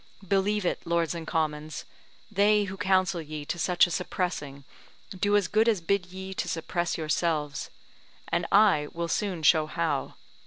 Believe it, Lords and Commons, they who counsel ye to such a suppressing do as good as bid ye suppress yourselves; and I will soon show how.